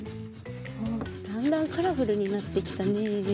あっだんだんカラフルになってきたね。